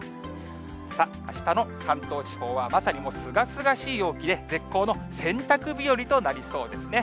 さあ、あしたの関東地方は、まさにもうすがすがしい陽気で、絶好の洗濯日和となりそうですね。